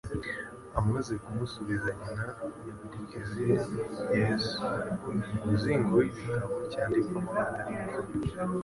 Amaze kumusubiza nyina, yandika izina “Yesu” mu muzingo w'igitabo cyandikwamo abana b'imfura